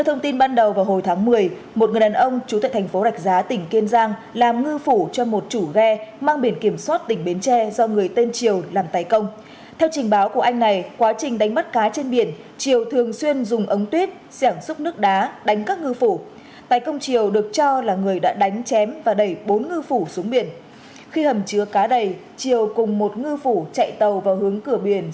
hãy đăng ký kênh để ủng hộ kênh của chúng mình nhé